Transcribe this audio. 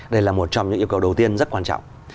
đây là một trong những yêu cầu đầu tiên rất quan trọng